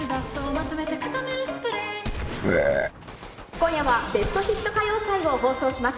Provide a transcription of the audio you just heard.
今夜はベストヒット歌謡祭を放送します。